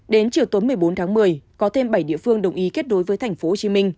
đến chiều tối một mươi bốn tháng một mươi có thêm bảy địa phương đồng ý kết nối với tp hcm